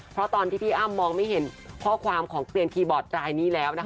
เพราะตอนที่พี่อ้ำมองไม่เห็นข้อความของเกลียนคีย์บอร์ดรายนี้แล้วนะคะ